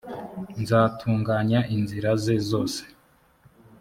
nzatunganya inzira ze zose